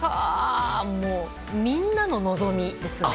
もうみんなの望みですね。